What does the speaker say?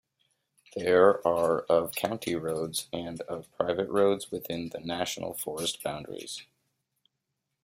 There are of county roads, and of private roads within the National Forest boundaries.